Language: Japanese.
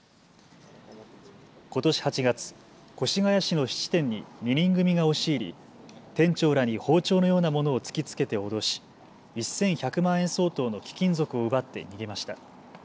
ことし８月、越谷市の質店に２人組が押し入り店長らに包丁のようなものを突きつけて脅し１１００万円相当の貴金属を奪って逃げました。